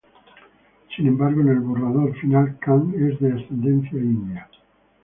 Sin embargo, en el borrador final Khan es de ascendencia india.